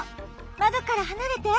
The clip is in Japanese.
まどからはなれて。